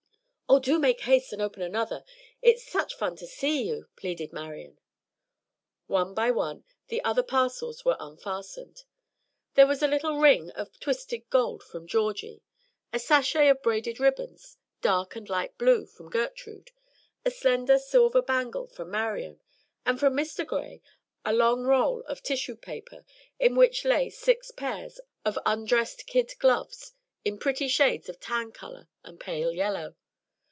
"Oh, do make haste and open another! It's such fun to see you," pleaded Marian. One by one, the other parcels were unfastened. There was a little ring of twisted gold from Georgie, a sachet of braided ribbons, dark and light blue, from Gertrude, a slender silver bangle from Marian, and from Mr. Gray a long roll of tissue paper in which lay six pairs of undressed kid gloves in pretty shades of tan color and pale yellow.